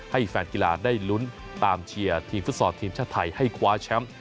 ให้แฟนกีฬาได้ลุ้นตามเชียร์ทีมฟุตซอลทีมชาติไทยให้คว้าแชมป์